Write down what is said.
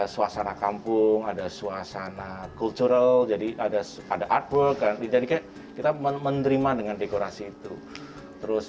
suasana kampung ada suasana cultural jadi ada ada artwork kan jadi kayak kita menerima dengan dekorasi itu terus